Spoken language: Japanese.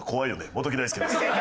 元木大介です。